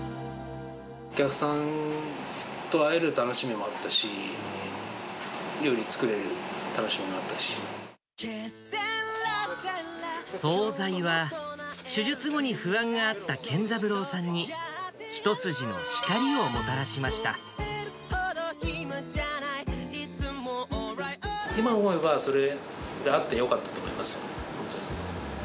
お客さんと会える楽しみもあったし、総菜は、手術後に不安があったけんざぶろうさんに、一筋の光をもたらしま今思えば、それがあってよかったと思います、本当に。